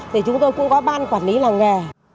thì chúng tôi cũng có ban quản lý làng nghề